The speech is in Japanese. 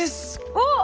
おっ！